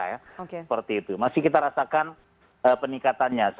seperti itu masih kita rasakan peningkatannya